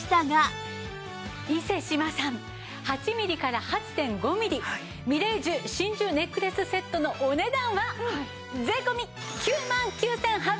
伊勢志摩産８ミリから８．５ミリみれい珠真珠ネックレスセットのお値段は税込９万９８００円です。